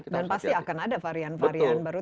dan pasti akan ada varian varian baru